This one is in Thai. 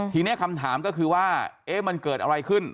ทีนี้คำถามก็คือว่ามันเกิดอะไรขึ้น